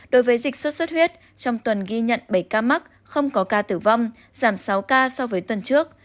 đối với dịch sốt xuất huyết trong tuần ghi nhận bảy ca mắc không có ca tử vong giảm sáu ca so với tuần trước